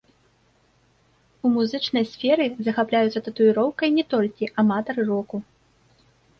У музычнай сферы захапляюцца татуіроўкай не толькі аматары року.